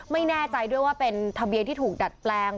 ไม่แน่ใจด้วยว่าเป็นทะเบียนที่ถูกดัดแปลง